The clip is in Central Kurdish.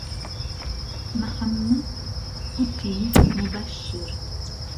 محەممەد کوتیموبهششیر